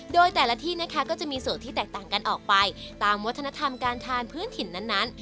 โดยแต่ละที่นะคะก็จะมีสูตรที่แตกต่างกันออกไปตามวัฒนธรรมการทานพื้นถิ่นนั้น